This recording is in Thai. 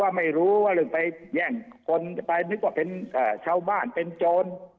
ผมไม่รู้ไปแย่งไปคนนึงว่ารู้ว่าเป็นชาวบ้านเป็นโจร